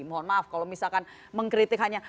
mohon maaf kalau misalkan mengkritik hanya